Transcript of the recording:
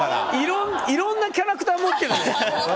いろんなキャラクター持ってるね。